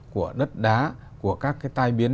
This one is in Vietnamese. của đất đá của các cái tai biến